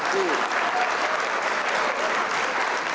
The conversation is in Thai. ขอบคุณครับขอบคุณครับขอบคุณครับ